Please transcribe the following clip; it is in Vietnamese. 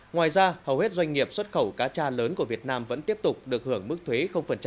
ngoài ra hầu hết doanh nghiệp xuất khẩu cá cha lớn của việt nam vẫn tiếp tục được hưởng mức thuế